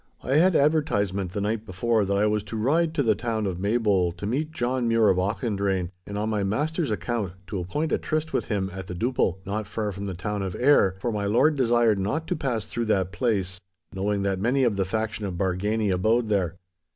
I had advertisement the night before that I was to ride to the town of Maybole to meet John Mure of Auchendrayne, and on my master's account to appoint a tryst with him at the Duppil, not far from the town of Ayr, for my Lord desired not to pass through that place, knowing that many of the faction of Bargany abode there.